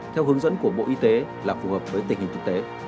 theo hướng dẫn của bộ y tế là phù hợp với tình hình thực tế